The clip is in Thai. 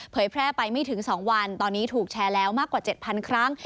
แพร่ไปไม่ถึง๒วันตอนนี้ถูกแชร์แล้วมากกว่า๗๐๐ครั้ง